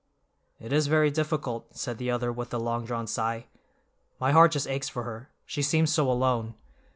"It is very difficult," said the other with a long drawn sigh. "My heart just aches for her, she seems so alone.